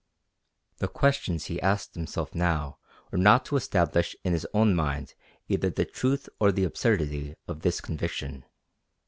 The questions he asked himself now were not to establish in his own mind either the truth or the absurdity of this conviction.